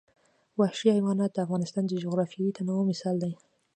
وحشي حیوانات د افغانستان د جغرافیوي تنوع مثال دی.